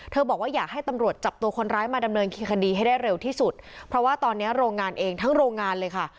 บอกว่าอยากให้ตำรวจจับตัวคนร้ายมาดำเนินคดีให้ได้เร็วที่สุดเพราะว่าตอนนี้โรงงานเองทั้งโรงงานเลยค่ะ